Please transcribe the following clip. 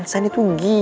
ya aku mau ke rumah gua